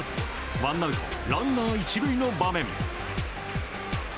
ワンアウト、ランナー１塁の場面。